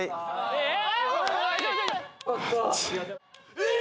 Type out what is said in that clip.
・えっ？